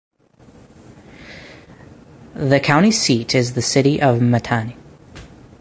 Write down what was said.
The county seat is the city of Matane.